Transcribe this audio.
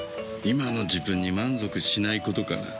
今の自分に満足しないことかな。